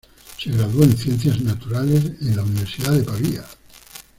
Se graduó en ciencias naturales en la Universidad de Pavía.